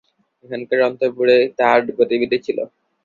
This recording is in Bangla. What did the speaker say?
এখানকার অন্তঃপুরে তাহার গতিবিধি ছিল।